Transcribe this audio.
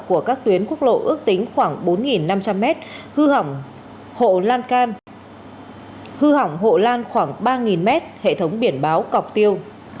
của các tuyến quốc lộ ước tính khoảng bốn năm trăm linh m hư hỏng hộ lan can khoảng ba m hệ thống biển báo cọc tiêu